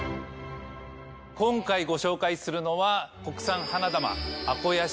今回ご紹介するのは。